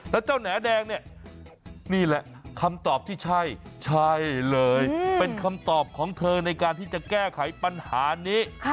แล้วเจ้าแหน่แดงเนี่ยนี่แหละคำตอบที่ใช่ใช่เลยเป็นคำตอบของเธอในการที่จะแก้ไขปัญหานี้